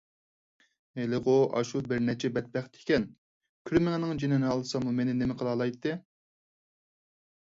ھېلىغۇ ئاشۇ بىرنەچچە بەتبەخت ئىكەن، كۈرمىڭىنىڭ جېنىنى ئالساممۇ مېنى نېمە قىلالايتتى؟